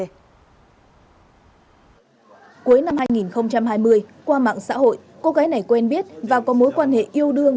cuối năm hai nghìn hai mươi qua mạng xã hội cô gái này quen biết và có mối quan hệ yêu đương